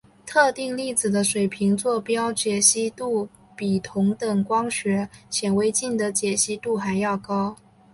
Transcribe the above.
特定粒子的水平座标解析度比同等光学显微镜的解析度还要高。